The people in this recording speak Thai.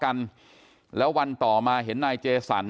กลุ่มตัวเชียงใหม่